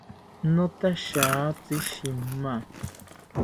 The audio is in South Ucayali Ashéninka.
Notashitatzi shima